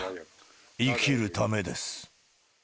生きるためです。